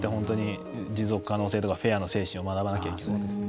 持続可能性とかフェアの精神を学ばなきゃいけない。